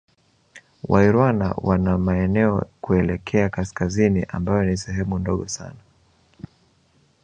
Wairwana wana maeneo kuelekea Kaskazini ambayo ni sehemu ndogo sana